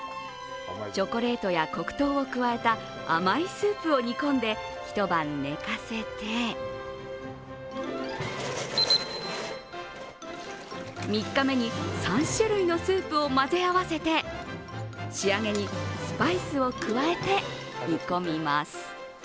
チョコレートや黒糖を加えた甘いスープを煮込んで１晩寝かせて３日目に３種類のスープを混ぜ合わせて、仕上げにスパイスを加えて煮込みます。